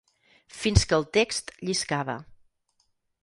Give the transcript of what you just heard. Fins que el text lliscava.